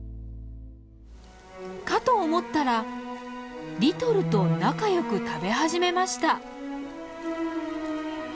かと思ったらリトルと仲良く食べ始めました。